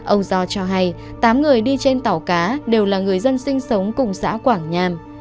ông do cho hay tám người đi trên tàu cá đều là người dân sinh sống cùng xã quảng nham